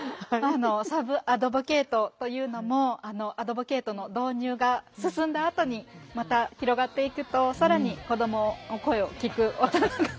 サブアドボケイトというのもアドボケイトの導入が進んだあとにまた広がっていくと更に子どもの声を聴く大人が。